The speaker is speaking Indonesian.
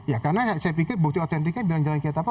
ya karena saya pikir bukti otentiknya bilang jalan kiat apa